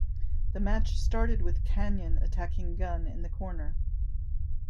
The match started with Kanyon attacking Gunn in the corner.